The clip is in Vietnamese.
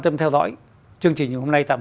tâm theo dõi chương trình hôm nay tạm